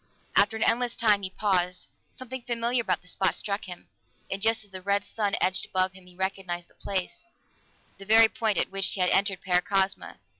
After an endless time, he paused; something familiar about the spot struck him, and just as the red sun edged above him, he recognized the place the very point at which he had entered Paracosma!